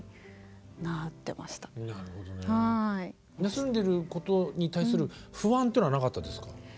休んでることに対する不安というのはなかったですか？